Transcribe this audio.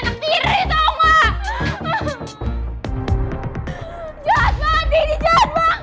semua ini berdampak kena bisnis gue mel